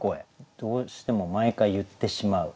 どうしても毎回言ってしまう。